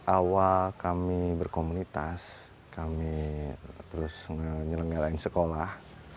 awal kami berkomunitas kami terus menyelenggarain sekolah